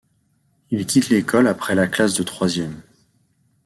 Il quitte l’école après la classe de troisième.